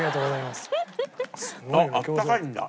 あっあったかいんだ。